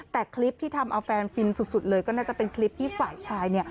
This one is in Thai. แต่คลิปที่ทำเอาแฟนฟินสุดเลยก็น่าจะเป็นคลิปที่ฝ่ายชาย